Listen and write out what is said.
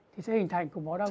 thì sẽ hình thành cục máu đông